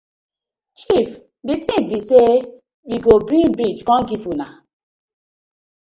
Chief di tin bi say we go bring bridge kom giv una.